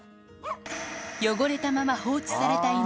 汚れたまま放置された犬